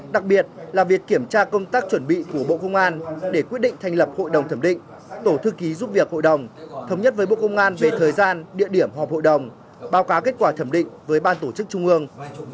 đặc biệt là việc kiểm tra công tác chuẩn bị của bộ công an để quyết định thành lập hội đồng thẩm định tổ thư ký giúp việc hội đồng thống nhất với bộ công an về thời gian địa điểm họp hội đồng báo cáo kết quả thẩm định với ban tổ chức trung ương